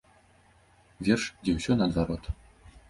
Верш, дзе ўсё наадварот.